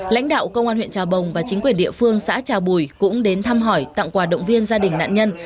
lãnh đạo công an huyện trà bồng và chính quyền địa phương xã trà bùi cũng đến thăm hỏi tặng quà động viên gia đình nạn nhân